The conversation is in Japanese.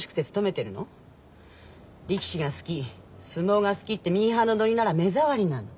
力士が好き相撲が好きってミーハーなノリなら目障りなの。